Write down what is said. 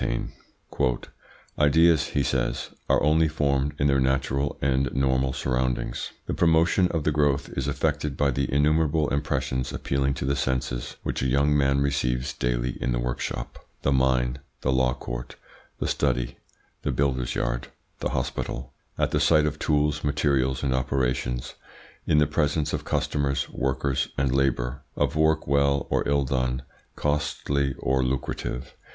Taine. "Ideas, he says, are only formed in their natural and normal surroundings; the promotion of the growth is effected by the innumerable impressions appealing to the senses which a young man receives daily in the workshop, the mine, the law court, the study, the builder's yard, the hospital; at the sight of tools, materials, and operations; in the presence of customers, workers, and labour, of work well or ill done, costly or lucrative.